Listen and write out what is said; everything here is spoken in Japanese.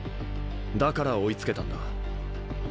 だから追いつけたんだ。